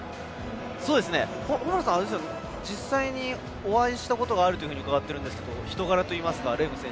保原さん、実際にお会いしたことがあると伺っていますが人柄といいますか、レーム選手